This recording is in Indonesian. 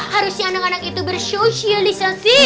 harusnya anak anak itu bersosialisasi